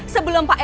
sebelum pak rue